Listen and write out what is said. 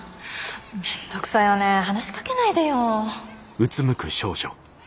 めんどくさいわね話しかけないでよ。